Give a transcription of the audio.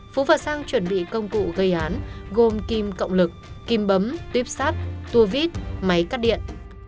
phú và sang chuẩn bị công cụ gây án gồm kim cộng lực kim bấm tuyếp sắt tua vít máy cắt điện